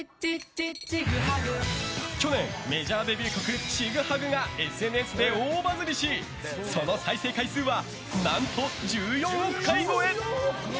去年、メジャーデビュー曲「チグハグ」がＳＮＳで大バズりしその再生回数は何と１４億回超え。